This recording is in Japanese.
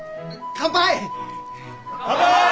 乾杯！